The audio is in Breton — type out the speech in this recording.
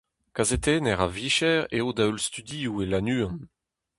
Kazetenner a vicher eo da-heul studioù e Lannuon.